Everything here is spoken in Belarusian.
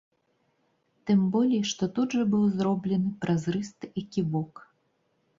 Тым болей што тут жа быў зроблены празрысты эківок.